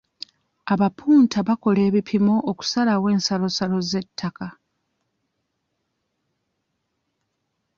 Abapunta bakola ebipimo okusalawo ensalosalo z'ettako.